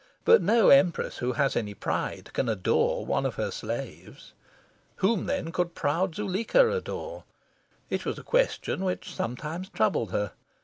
But no empress who has any pride can adore one of her slaves. Whom, then, could proud Zuleika adore? It was a question which sometimes troubled her.